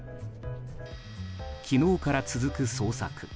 昨日から続く捜索。